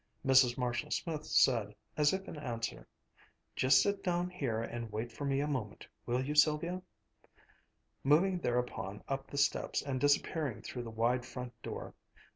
Mrs. Marshall Smith said, as if in answer, "Just sit down here and wait for me a minute, will you, Sylvia?" moving thereupon up the steps and disappearing through the wide front door.